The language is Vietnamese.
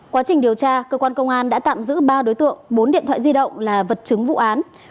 quá trình điều tra cơ quan công an đã tạm giữ ba đối tượng bốn điện thoại di động là vật chứng vụ án